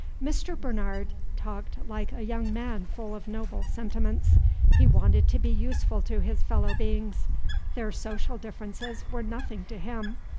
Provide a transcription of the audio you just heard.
Mr. Bernard talked like a young man full of noble sentiments. He wanted to be useful to his fellow beings. Their social differences were nothing to him.